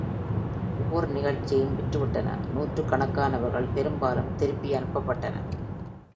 ஒவ்வொரு நிகழ்ச்சியும் விற்றுவிட்டன, நூற்றுக்கணக்கானவர்கள் பெரும்பாலும் திருப்பி அனுப்பப்பட்டனர்.